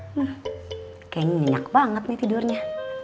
hmm kayaknya nyenyak banget nih tidurnya